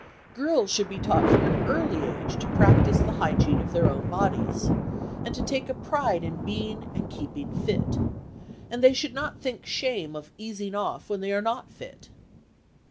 Girls should be taught from an early age to practise the hygiene of their own bodies, and to take a pride in being and keeping fit, and they should not think shame of easing off when they are not fit.